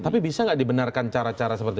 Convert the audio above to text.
tapi bisa nggak dibenarkan cara cara seperti itu